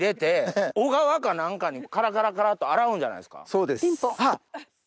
そうです。